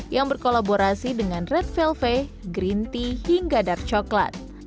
yang berkolaborasi dengan red velve green tea hingga dark coklat